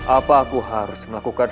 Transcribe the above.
apa aku harus melakukan